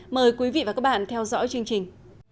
mời quý vị và các bạn theo dõi chương trình